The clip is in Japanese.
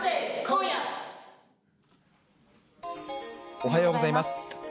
おはようございます。